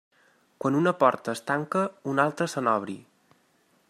Quan una porta es tanca, una altra se n'obri.